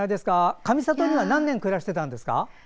上里には何年暮らしてたんですか？